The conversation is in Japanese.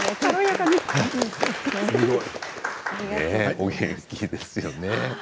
お元気ですよね。